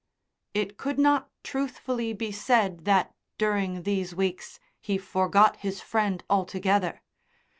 It could not truthfully be said that during these weeks he forgot his friend altogether.